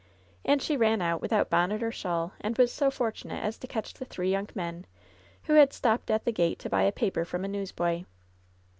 And she ran out without bonnet or shawl, and was so fortunate as to catch the three young men, who had stopped at the gate to buy a paper from a newsboy.